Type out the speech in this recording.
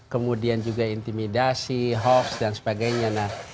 kemudian juga intimidasi hoax dan sebagainya